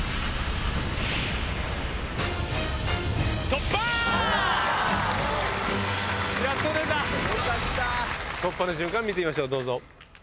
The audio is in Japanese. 突破の瞬間見てみましょう。